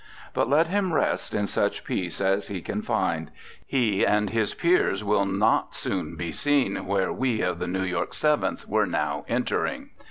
But let him rest in such peace as he can find! He and his peers will not soon be seen where we of the New York Seventh were now entering.